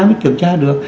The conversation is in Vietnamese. mới kiểm tra được